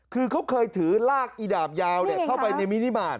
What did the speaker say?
คือเขาเคยถือลากอีดาบยาวเข้าไปในมินิมาตร